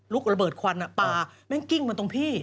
ระเบิดควันป่าแม่งกิ้งมาตรงพี่